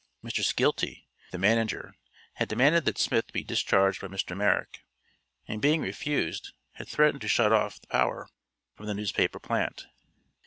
Mr. Skeelty, the manager, had demanded that Smith be discharged by Mr. Mirrick, and being refused, had threatened to shut off the power from the newspaper plant.